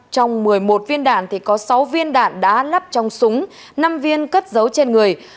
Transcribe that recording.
trong một mươi một viên đạn có sáu viên đạn đã lắp trong súng năm viên cất dấu trên người